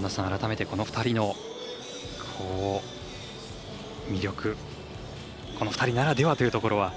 改めてこの２人の魅力この２人ならではというところは。